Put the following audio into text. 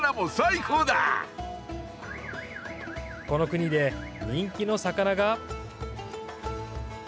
この国で人気の魚が。